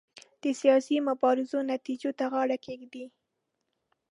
د سیاسي مبارزو نتیجو ته غاړه کېږدي.